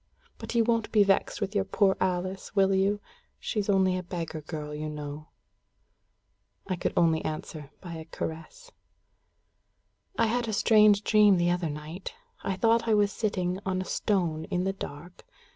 But you won't be vexed with your poor Alice, will you? She's only a beggar girl, you know." I could answer only by a caress. "I had a strange dream the other night. I thought I was sitting on a stone in the dark.